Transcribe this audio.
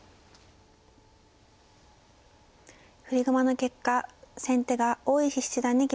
振り駒の結果先手が大石七段に決まりました。